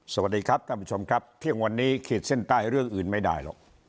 สวัสดีครับท่านผู้ชมครับเที่ยงวันนี้ขีดเส้นใต้เรื่องอื่นไม่ได้หรอก